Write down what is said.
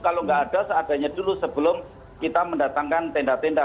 kalau nggak ada seadanya dulu sebelum kita mendatangkan tenda tenda